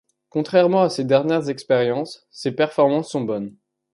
Contrairement à ses dernières expériences, ses performances sont bonnes.